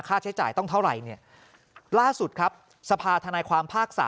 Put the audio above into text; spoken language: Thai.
ค่าใช้จ่ายต้องเท่าไหร่เนี่ยล่าสุดครับสภาธนายความภาค๓